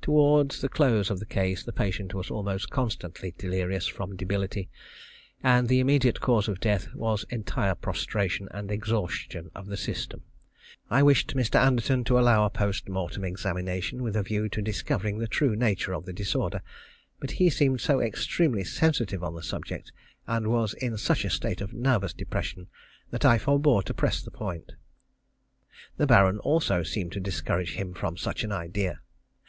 Towards the close of the case the patient was almost constantly delirious from debility, and the immediate cause of death was entire prostration and exhaustion of the system. I wished Mr. Anderton to allow a post mortem examination, with a view to discovering the true nature of the disorder, but he seemed so extremely sensitive on the subject, and was in such a state of nervous depression, that I forbore to press the point. The Baron also seemed to discourage him from such an idea.